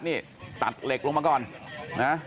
นี่ตัดเหล็กลงมาก่อนนะ